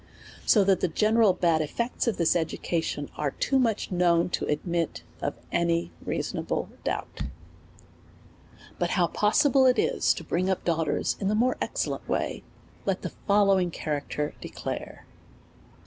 So that the general bad elfects of this education are too much known, to admit of any reasonable doubt. But how possible it is to bring up daughters in a more excellent way, let the following character de clare.